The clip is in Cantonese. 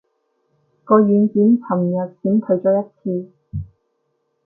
個軟件尋日閃退咗一次